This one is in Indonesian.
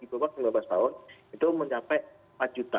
dua belas lima belas tahun itu mencapai rp empat